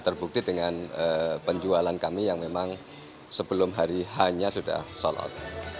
terbukti dengan penjualan kami yang memang sebelum hari hanya sudah solot